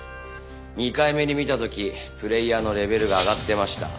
２回目に見た時プレーヤーのレベルが上がってました。